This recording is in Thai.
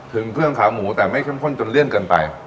ถึงเครื่องขาหมูแต่ไม่เข้มข้นจนเลี่ยนเกินไป